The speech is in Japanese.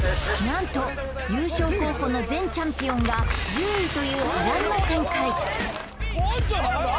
なんと優勝候補の前チャンピオンが１０位という波乱の展開